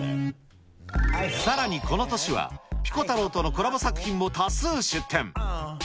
さらにこの年は、ピコ太郎とのコラボ作品も多数出展。